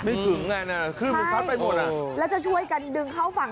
ไม่ถึงไงน่ะคลื่นมันซัดไปหมดอ่ะแล้วจะช่วยกันดึงเข้าฝั่ง